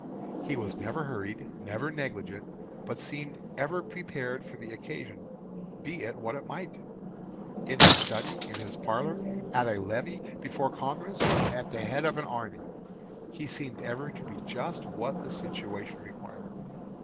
He was never hurried; never negligent; but seemed ever prepared for the occasion, be it what it might. In his study, in his parlour, at a levee, before Congress, at the head of the army, he seemed ever to be just what the situation required.